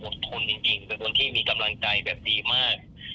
เป็นคนที่มีกำลังใจแบบดีมาก